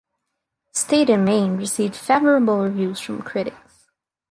"State and Main" received favorable reviews from critics.